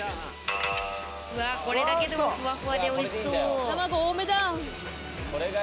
これだけでも、ふわふわでおいしそう。